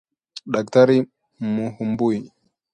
Daktari Mumbui